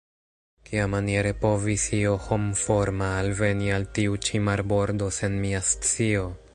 Kiamaniere povis io homforma alveni al tiu-ĉi marbordo sen mia scio?